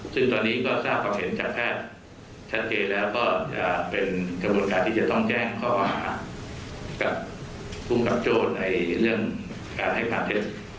ซึ่งตอนนี้ก็ทราบความเห็นจากแพทย์ชัดเจนแล้วก็จะเป็นกระบวนการที่จะต้องแจ้งข้อหากับภูมิกับโจ้ในเรื่องการให้การเท็จ